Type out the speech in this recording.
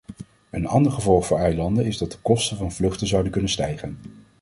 Een ander gevolg voor eilanden is dat de kosten van vluchten zouden kunnen stijgen.